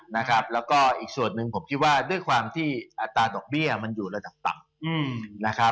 แล้วก็อีกส่วนหนึ่งผมคิดว่าด้วยความที่อัตราดอกเบี้ยมันอยู่ระดับต่ำนะครับ